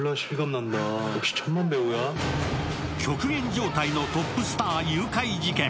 極限状態のトップスター誘拐事件。